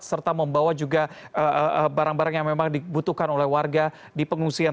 serta membawa juga barang barang yang memang dibutuhkan oleh warga di pengungsian